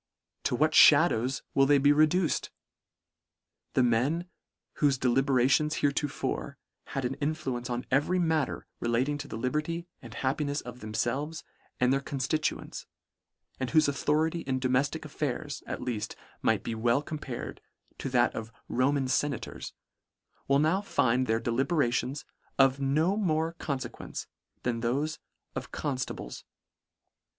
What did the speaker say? To what fhadows will they be reduced ? The men, whofe delibera tions heretofore had an influence on every matter relating to the liberty and happinefs of themfelves and their conftituents, and whofe authority in domeftic affairs, at leaft, might well be compared to that of Roman fenators, will now find their deliberations of no more confequence than thofe of confta bles.